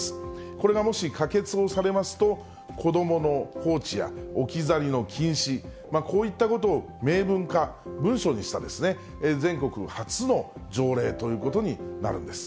これがもし、可決をされますと、子どもの放置や置き去りの禁止、こういったことを明文化、文書にしたですね、全国初の条例ということになるんです。